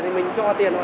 xe mất ở đâu